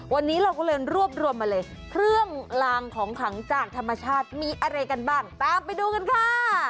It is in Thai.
วันนี้เราก็เลยรวบรวมมาเลยเครื่องลางของขลังจากธรรมชาติมีอะไรกันบ้างตามไปดูกันค่ะ